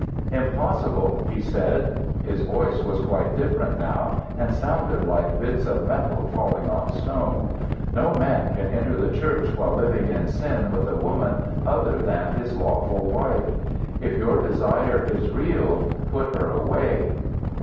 "Impossible," he said. His voice was quite different now, and sounded like bits of metal falling on stone. "No man can enter the church while living in sin with a woman other than his lawful wife. If your desire is real, put her away."